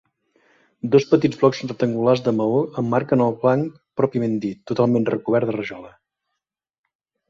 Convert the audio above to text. Dos petits blocs rectangulars de maó emmarquen el banc pròpiament dit, totalment recobert de rajola.